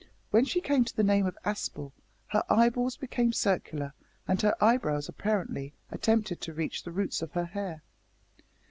When she came to the name of Aspel her eyeballs became circular, and her eyebrows apparently attempted to reach the roots of her hair.